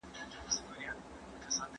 د څيړني لاره ډېره اوږده او ستونزمنه ده.